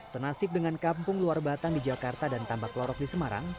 senasib dengan kampung luar batang di jakarta dan tambak lorok di semarang